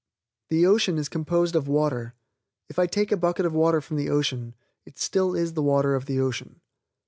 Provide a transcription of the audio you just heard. The ocean is composed of water. If I take a bucket of water from the ocean, it still is the water of the ocean.